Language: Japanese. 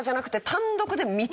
単独で！？